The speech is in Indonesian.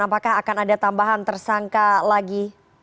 apakah akan ada tambahan tersangka lagi